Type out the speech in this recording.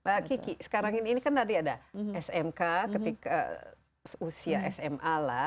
pak kiki sekarang ini kan tadi ada smk ketika usia sma lah